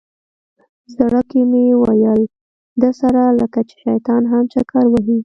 زړه کې مې ویل ده سره لکه چې شیطان هم چکر ووهي.